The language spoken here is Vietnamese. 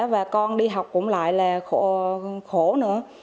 và con đi học cũng lại là khổ nữa